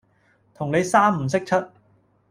同你三唔識七